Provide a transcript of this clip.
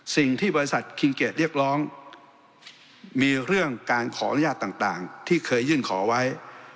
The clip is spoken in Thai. สิ่งที่บริษัทคิงเกดเรียกร้องมีเรื่องการขออนุญาตต่างที่เคยยื่นขอไว้